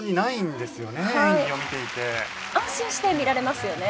安心して見られますよね。